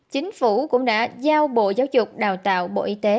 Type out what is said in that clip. chính phủ cũng đã giao bộ giáo dục đào tạo bộ y tế